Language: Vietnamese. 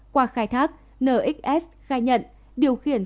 qua khai thác nxs khai nhận